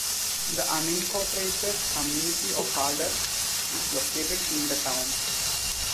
The unincorporated community of Halder is located in the town.